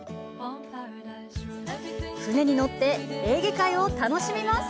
船に乗ってエーゲ海を楽しみます！